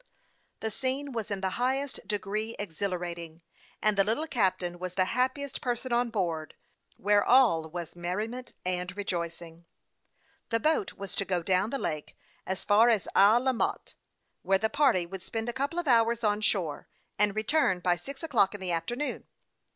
The scone was in the highest degree exhilarating ; and the little captain was the happiest person on board, where all was merriment and rejoicing. The boat was to go down the lake as far as Isle La Motte, where the party would spend a couple of hours on shore, and return by six o'clock in the afternoon.